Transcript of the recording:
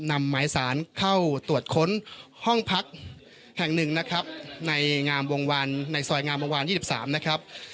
นำหมายสารเข้าตรวจค้นห้องพักแห่ง๑นะครับในสอยงามวงวาน๒๓นะครับ